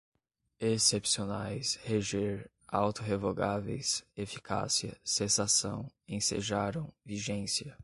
excepcionais, reger, auto-revogáveis, eficácia, cessação, ensejaram, vigência